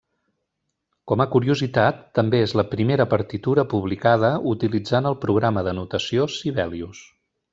Com a curiositat, també és la primera partitura publicada utilitzant el programa de notació Sibelius.